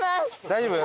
大丈夫？